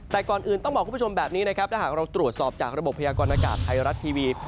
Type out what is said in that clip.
แต่ก่อนอื่นต้องบอกคุณผู้ชมแบบนี้นะครับถ้าหากเราตรวจสอบจากระบบพยากรณากาศไทยรัฐทีวี